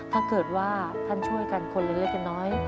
ถ้าเกิดว่าท่านช่วยกันคนละเล็กละน้อย